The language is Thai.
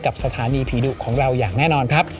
สถานีผีดุของเราอย่างแน่นอนครับ